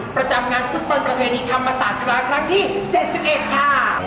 ประจำงานทุกปรประเทศนี้ทำมาศาจุฬาครั้งที่๗๑ค่ะ